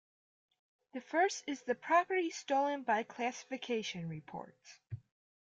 The first is the Property Stolen by Classification report.